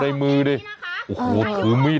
ทางเข้าไปเพราะว่าถ้าเราเข้าไปอ่ะ